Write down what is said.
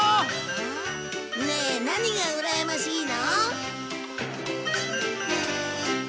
ねえ何がうらやましいの？